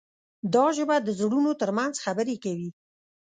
دا ژبه د زړونو ترمنځ خبرې کوي.